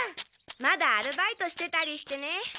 まだアルバイトしてたりしてね。